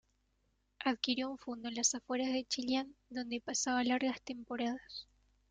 Adquirió un fundo en las afueras de Chillán, donde pasaba largas temporadas.